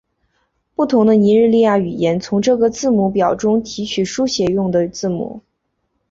不同的尼日利亚语言从这个字母表中提取书写用的字母。